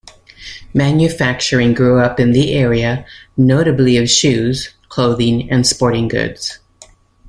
Manufacturing grew up in the area, notably of shoes, clothing, and sporting goods.